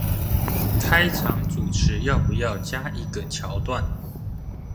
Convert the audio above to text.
開場主持要不要加一個橋段